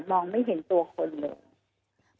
มองไม่เห็นตัวคนเลย